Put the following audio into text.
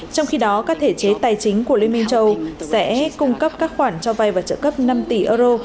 trong khi đó các thể chế tài chính của liên minh châu âu sẽ cung cấp các khoản cho vay và trợ cấp năm tỷ euro